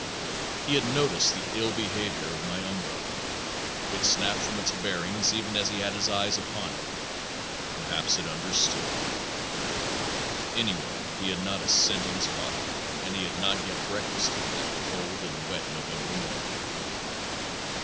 He had noticed the ill behavior of my umbrella. It snapped from its bearing even as he had his eyes upon it. Perhaps it understood. Anyway he had not a cent in his pocket and he had not yet breakfasted that cold and wet November morning.